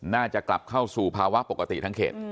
น่าจะกลับเข้าสู่ภาวะปกติทั้งเขต